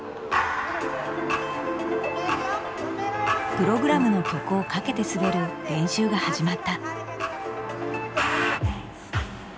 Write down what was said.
プログラムの曲をかけて滑る練習が始まった。